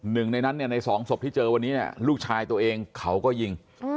๑ใน๒ศพที่เจอวันนี้ลูกชายตัวเองเขาก็ยิง